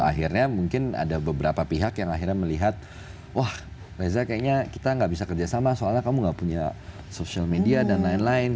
akhirnya mungkin ada beberapa pihak yang akhirnya melihat wah reza kayaknya kita nggak bisa kerjasama soalnya kamu gak punya social media dan lain lain